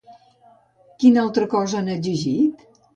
Quina altra cosa han exigit?